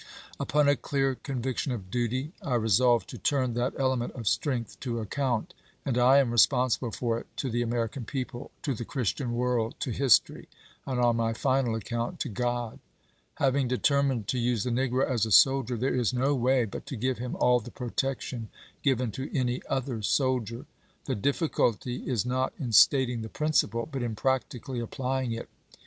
Upon a clear conviction of duty I resolved to turn that element of strength to account ; and I am responsible for it to the American people, to the Christian world, to history, and on my final account to God. Having determined to use the negro as a soldier, there is no way but to give him all the protection given to any other soldier. The difficulty is not in stating the principle, but in practically applying it.